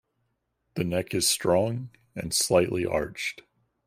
The neck is strong and slightly arched.